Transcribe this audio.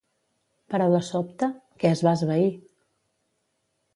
Però de sobte, què es va esvair?